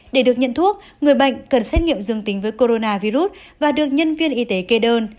để được nhận thuốc người bệnh cần xét nghiệm dương tính với corona virus và được nhân viên y tế kê đơn